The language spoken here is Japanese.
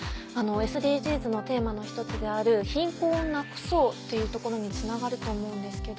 ＳＤＧｓのテーマの１つである「貧困をなくそう」というところにつながると思うんですけど。